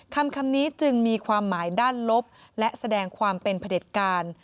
คำนี้จึงมีความหมายด้านลบและแสดงความเป็นพระเด็จการ